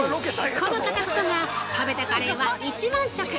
この方こそが食べたカレーは１万食！